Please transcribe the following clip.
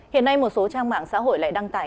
hiện nay một số trang mạng xã hội lại đăng tải